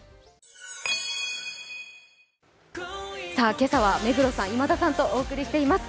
今朝は目黒さん、今田さんとお送りしています。